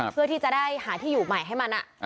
เพื่อที่จะได้หาที่อยู่ใหม่ให้มัน